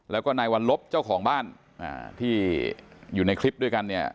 แล้วก็นายวัลลบเจ้าของบ้านที่อยู่ในคลิปด้วยกันเนี่ย